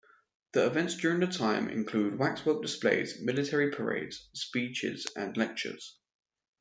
The events during that time include waxwork displays, military parades, speeches and lectures.